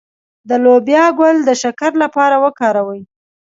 د لوبیا ګل د شکر لپاره وکاروئ